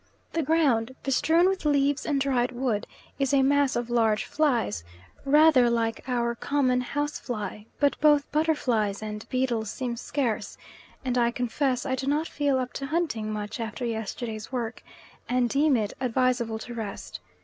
The ground, bestrewn with leaves and dried wood, is a mass of large flies rather like our common house fly, but both butterflies and beetles seem scarce; and I confess I do not feel up to hunting much after yesterday's work, and deem it advisable to rest.